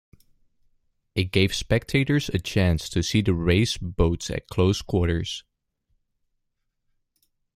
It gave spectators a chance to see the race boats at close quarters.